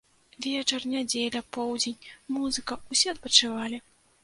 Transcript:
Вечар, нядзеля, поўдзень, музыка, усе адпачывалі.